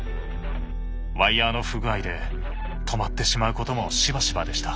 ワイヤーの不具合で止まってしまうこともしばしばでした。